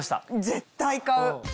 絶対買う！